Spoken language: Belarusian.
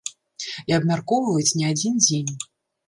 І абмяркоўваюць не адзін дзень.